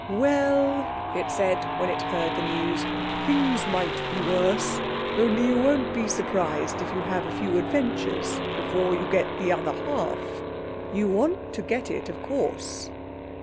"Well," it said, when it had heard the news, "things might be worse. Only you won't be surprised if you have a few adventures before you get the other half. You want to get it, of course."